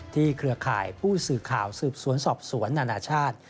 เครือข่ายผู้สื่อข่าวสืบสวนสอบสวนนานาชาติ